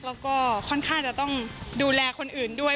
แล้วก็ค่อนข้างจะต้องดูแลคนอื่นด้วย